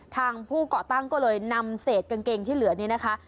ทางผู้เกาะตั้งก็เลยนำเศษกางเกงที่เหลือนี้นะคะ